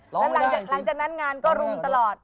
แล้วหลังจากนั้นงานก็รุ่งตลอด